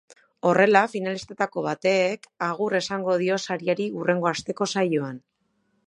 Horrela, finalistetako batek agur esango dio sariari hurrengo asteko saioan.